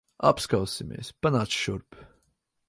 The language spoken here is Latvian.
Apskausimies. Panāc šurp.